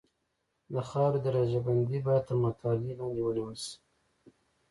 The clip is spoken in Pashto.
د خاورې درجه بندي باید تر مطالعې لاندې ونیول شي